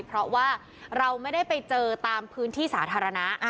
เพราะว่าเราไม่ได้ไปเจอตามพื้นที่สาธารณะ